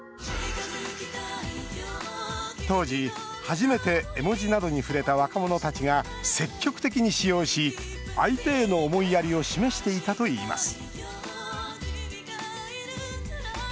当時、初めて絵文字などに触れた若者たちが積極的に使用し相手への思いやりを示していたといいます